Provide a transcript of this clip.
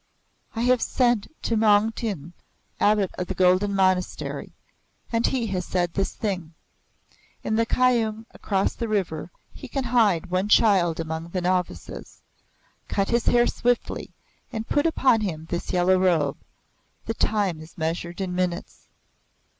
"I have sent to Maung Tin, abbot of the Golden Monastery, and he has said this thing. In the Kyoung across the river he can hide one child among the novices. Cut his hair swiftly and put upon him this yellow robe. The time is measured in minutes."